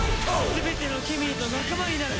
全てのケミーと仲間になる。